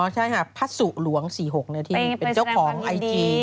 ใช่ค่ะพระสุหลวง๔๖นาทีเป็นเจ้าของไอจี